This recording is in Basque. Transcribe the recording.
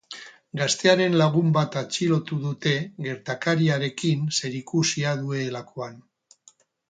Gaztearen lagun bat atxilotu dute gertakariarekin zerikusia duelakoan.